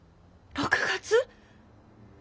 ６月？